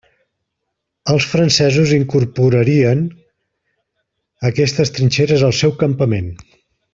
Els francesos incorporarien aquestes trinxeres al seu campament.